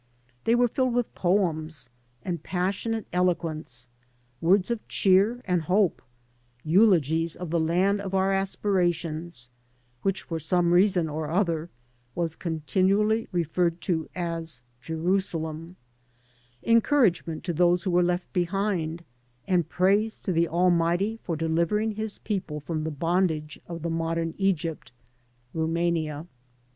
They were filled with poems and passionate eloquence, words of cheer and hope, eulogies of the land of our aspirations, which for some reason or other was continually referred to as Jerusalem, en couragement to those who were left behind, and praise to the Almighty for delivering his people from the bondage of the modem Egypt (Rumania).